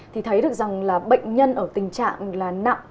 thì thấy được rằng là bệnh nhân ở tình trạng là nặng